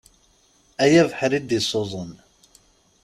Ay abeḥri i d-isuḍen.